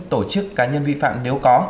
tổ chức cá nhân vi phạm nếu có